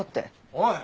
おい！